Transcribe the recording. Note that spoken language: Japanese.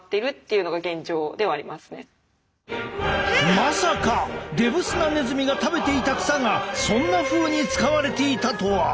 まさかデブスナネズミが食べていた草がそんなふうに使われていたとは。